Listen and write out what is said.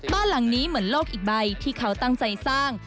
บ้านหลังนี้เหมือนโลกอีกใบที่เขาตั้งใจสร้าง